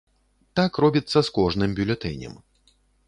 Так робіцца з кожным бюлетэнем.